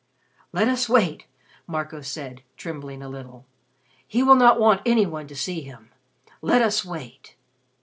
"Let us wait," Marco said, trembling a little. "He will not want any one to see him. Let us wait."